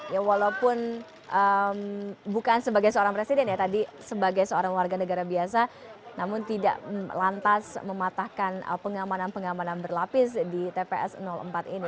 ya walaupun bukan sebagai seorang presiden ya tadi sebagai seorang warga negara biasa namun tidak lantas mematahkan pengamanan pengamanan berlapis di tps empat ini